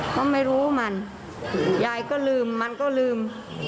เขาไม่รู้มันยายก็ลืมมันก็ลืม